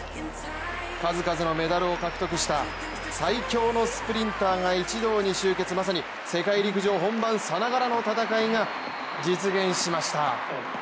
数々のメダルを獲得した最強のスプリンターが一堂に集結、まさに世界陸上本番さながらの戦いが実現しました。